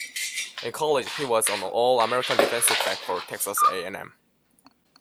In college, he was an All-American defensive back for Texas A and M.